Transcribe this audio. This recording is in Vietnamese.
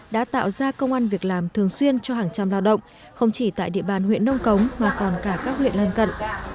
đã tạo ra công an việc làm thường xuyên cho hàng trăm lao động không chỉ tại địa bàn huyện nông cống mà còn cả các huyện lân cận